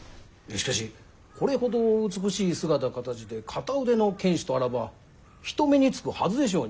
しかしこれほど美しい姿形で片腕の剣士とあらば人目につくはずでしょうに。